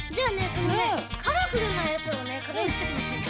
そのねカラフルなやつをねかざりつけてほしいの。